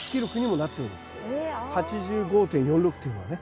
８５．４６というのはね。